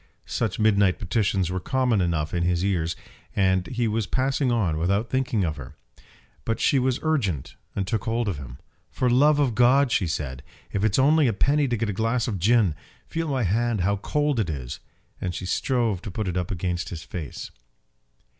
Such midnight petitions were common enough in his ears, and he was passing on without thinking of her. But she was urgent, and took hold of him. "For love of God," she said, "if it's only a penny to get a glass of gin! Feel my hand, how cold it is." And she strove to put it up against his face.